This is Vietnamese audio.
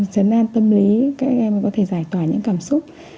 trấn an tâm lý các em ấy có thể giải tỏa những cảm xúc